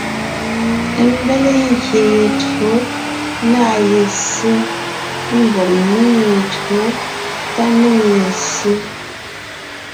Ḿbéle ngyè ye tÿǒ na ye ssé (ḿvɔg ńnéŋ ye tÿǒ tá ńnéŋ ye ssé).